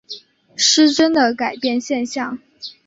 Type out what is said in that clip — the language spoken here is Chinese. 失真的改变现象。